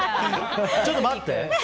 ちょっと待って！